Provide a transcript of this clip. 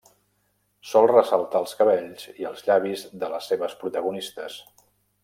Sol ressaltar els cabells i els llavis de les seves protagonistes.